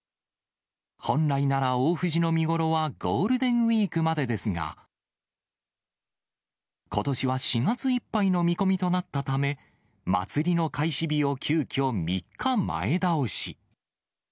本来なら大藤の見頃はゴールデンウィークまでですが、ことしは４月いっぱいの見込みとなったため、祭りの開始日を急きょ、３日前倒し。